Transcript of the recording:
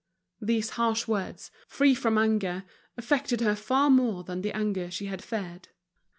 These harsh words, free from anger, affected her far more than the anger she had feared.